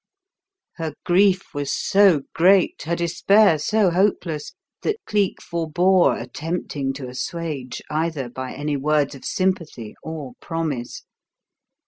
Her grief was so great, her despair so hopeless, that Cleek forbore attempting to assuage either by any words of sympathy or promise.